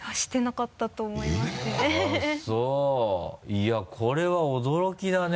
いやこれは驚きだね。